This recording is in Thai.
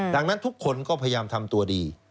ดังนั้นทุกคนก็พยายามทำตัวดี